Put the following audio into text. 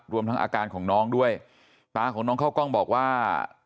รวมทั้งอาการของน้องด้วยตาของน้องเข้ากล้องบอกว่า